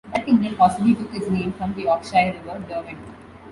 That kingdom possibly took its name from the Yorkshire River Derwent.